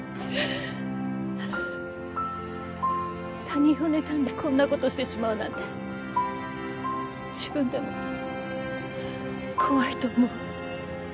他人をねたんでこんなことしてしまうなんて自分でも怖いと思う。